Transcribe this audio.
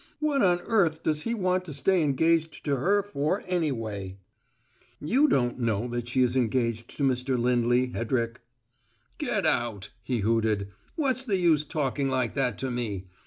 What on earth does he want to stay engaged to her for, anyway?" "You don't know that she is engaged to Mr. Lindley, Hedrick." "Get out!" he hooted. "What's the use talking like that to me?